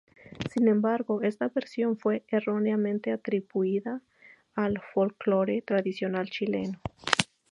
Sin embargo, esta versión fue erróneamente atribuida al folklore tradicional chileno.